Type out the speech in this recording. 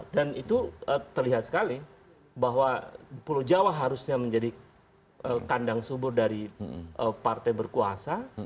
dan itu terlihat sekali bahwa pulau jawa harusnya menjadi kandang subur dari partai berkuasa